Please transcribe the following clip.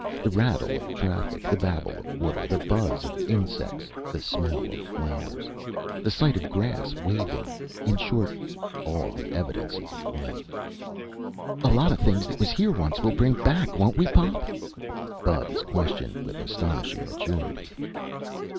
The rattle of traffic. The babble of water. The buzz of insects. The smell of flowers. The sight of grass waving.... In short, all the evidences of life. "A lot of things that was here once, we'll bring back, won't we, Pop?" Bubs questioned with astonishing maturity.